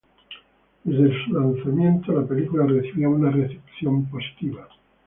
Desde su lanzamiento, la película recibió una recepción positiva.